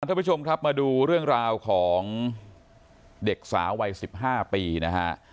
ท่านผู้ชมครับมาดูเรื่องราวของเด็กสาววัย๑๕ปีนะฮะ